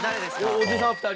おじさん２人。